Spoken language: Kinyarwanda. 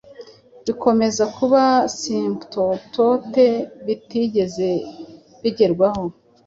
bikomeza kuba simptotote, bitigeze bigerwaho